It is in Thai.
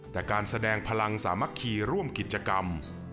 แต่การแสดงพลังสามัคคีร่วมกิจกรรม